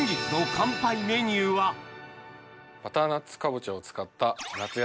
さぁバターナッツかぼちゃを使った。